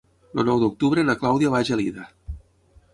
El nou d'octubre na Clàudia va a Gelida.